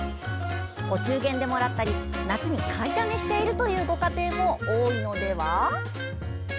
お中元でもらったり夏に買いだめしているというご家庭も多いのでは？